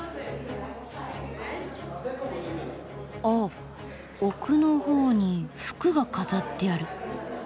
お奥の方に服が飾ってある。